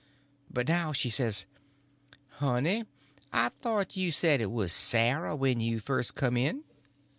But now she says: "Honey, I thought you said it was Sarah when you first come in?"